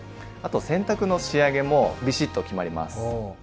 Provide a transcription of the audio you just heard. あと洗濯の仕上げもビシッと決まります。